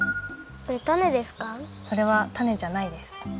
それはタネじゃないです。